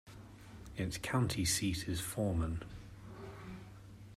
Its county seat is Forman.